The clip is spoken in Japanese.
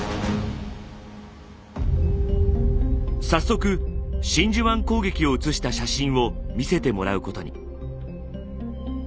早速真珠湾攻撃を写した写真を見せてもらうことに。